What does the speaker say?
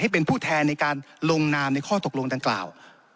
เป็นผู้แทนในการลงนามในข้อตกลงดังกล่าว